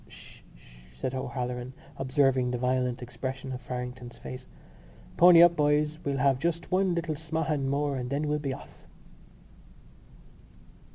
"Sh, sh!" said O'Halloran, observing the violent expression of Farrington's face. "Pony up, boys. We'll have just one little smahan more and then we'll be off."